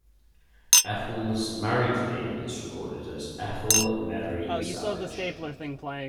Ethel's married name is recorded as Ethel Mary Savage.